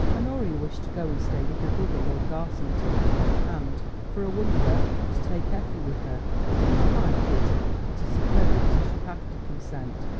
Honoria wished to go and stay with her brother, Lord Garsington, and, for a wonder, to take Effie with her. He did not like it, but he supposed that he should have to consent.